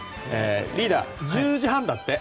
リーダー、１０時半だって。